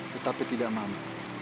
tetapi tidak mamat